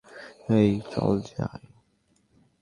এই চল যাই!